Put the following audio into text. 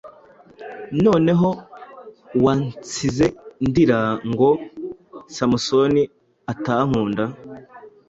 Noneho wansize ndira ngo Samusoni atankunda.